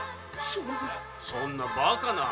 そんなバカな？